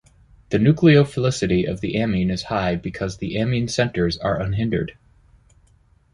The nucleophilicity of the amine is high because the amine centers are unhindered.